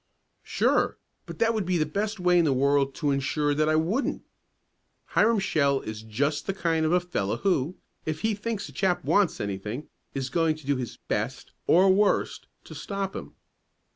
"Sure, but that would be the best way in the world to insure that I wouldn't. Hiram Shell is just the kind of a fellow who, if he thinks a chap wants anything, is going to do his best or worst to stop him."